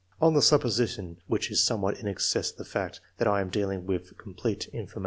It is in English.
On the supposition, which is somewhat in excess of the fact, that I am dealing with complete informa I.